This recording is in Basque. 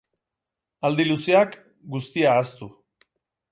Aldi luzeak, guztia ahaztu.